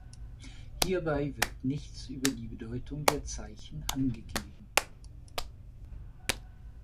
Hierbei wird nichts über die Bedeutung der Zeichen angegeben.